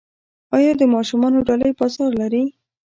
آیا د ماشومانو ډالۍ بازار لري؟